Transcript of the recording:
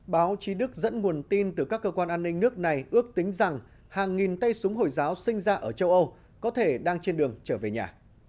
báo chí đức dẫn nguồn tin từ các cơ quan an ninh nước này ước tính rằng hàng nghìn tay súng hồi giáo sinh ra ở châu âu có thể đang trên đường trở về nhà